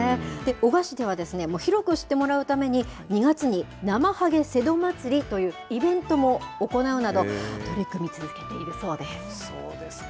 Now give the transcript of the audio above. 男鹿市では広く知ってもらうために、２月になまはげ柴灯まつりというイベントも行うなど、そうですか。